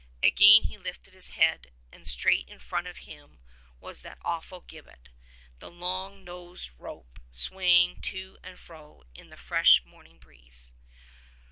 Again he lifted his head and straight in front of him was that awful gibbet, the long, noosed rope swaying to and fro in the fresh morning breeze.